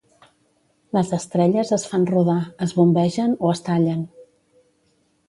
Les estrelles es fan rodar, es bombegen o es tallen.